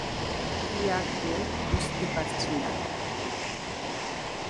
কী আঁকবো, বুঝতে পারছি না।